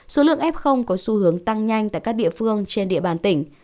số lượng f có xu hướng tăng nhanh tại các địa phương trên địa bàn tỉnh